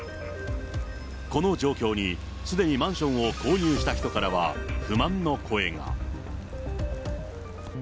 この状況に、すでにマンションを購入した人からは不満の声が。